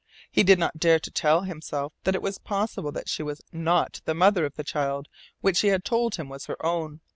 He did not dare to tell himself that it was possible that she was NOT the mother of the child which she had told him was her own.